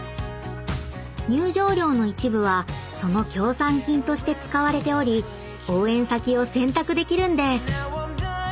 ［入場料の一部はその協賛金として使われており応援先を選択できるんです］